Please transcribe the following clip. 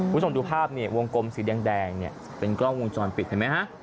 คุณผู้ชมดูภาพเนี่ยวงกลมสีแดงเนี่ยเป็นกล้องวงจรปิดเห็นไหมฮะ